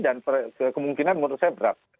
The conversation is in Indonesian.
dan kemungkinan menurut saya berat